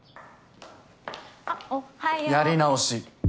・あっおはよ。やり直し。